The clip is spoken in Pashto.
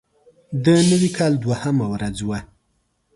د نوي کال دوهمه ورځ وه.